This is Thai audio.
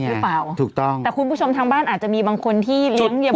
หรือเปล่าถูกต้องแต่คุณผู้ชมทางบ้านอาจจะมีบางคนที่เลี้ยง